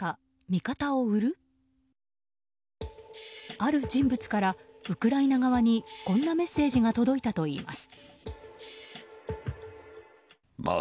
ある人物からウクライナ側にこんなメッセージが届いたといいます。